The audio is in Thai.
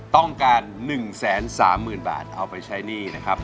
ต้องการ๑๓๐๐๐บาทเอาไปใช้หนี้นะครับ